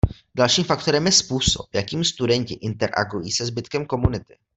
Dalším faktorem je způsob, jakým studenti interagují se zbytkem komunity.